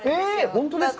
本当ですか！？